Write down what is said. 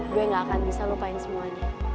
gue gak akan bisa lupain semuanya